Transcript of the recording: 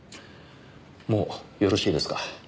もうよろしいですか？